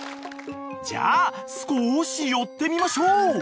［じゃあ少し寄ってみましょう］